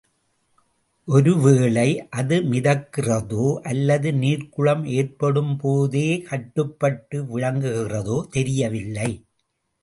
ஒரு வேளை அது மிதக்கிறதோ அல்லது நீர்க்குளம் ஏற்படும்போதே கட்டப்பட்டு விளங்குகிறதோ தெரியவில்லை.